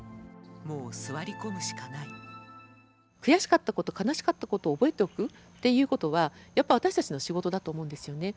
もう座り込むしかない悔しかったこと悲しかったことを覚えておくっていうことはやっぱ私たちの仕事だと思うんですよね。